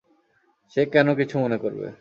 সে কেন কিছু মনে করবে?